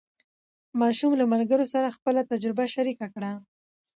ماشوم له ملګرو سره خپله تجربه شریکه کړه